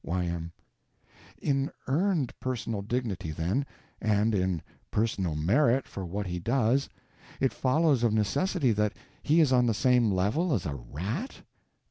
Y.M. In earned personal dignity, then, and in personal merit for what he does, it follows of necessity that he is on the same level as a rat?